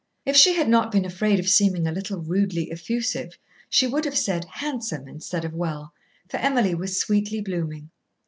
If she had not been afraid of seeming a little rudely effusive she would have said "handsome" instead of "well," for Emily was sweetly blooming.